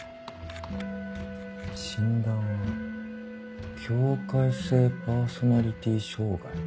診断は境界性パーソナリティ障害。